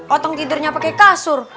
otong tidurnya pake kasur